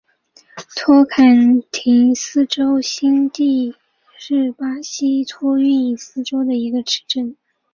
托坎廷斯州新锡蒂乌是巴西托坎廷斯州的一个市镇。